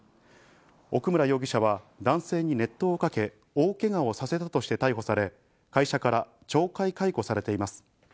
奥村容疑者は男性に熱湯をかけ、大けがをさせたとして逮捕され、会社から懲戒解雇されています。